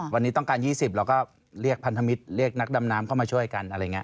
วันนี้ต้องการ๒๐เราก็เรียกพันธมิตรนักดำน้ำเข้ามาช่วยกัน